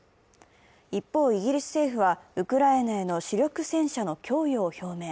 一方、イギリス政府はウクライナへの主力戦車の供与を表明。